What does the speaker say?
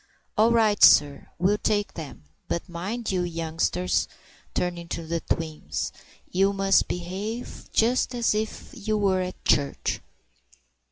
"All right, sir! We'll take them.—But mind you, youngsters"—turning to the twins—"you must behave just as if you were at church."